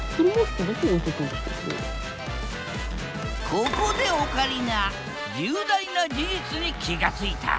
ここでオカリナ重大な事実に気が付いた！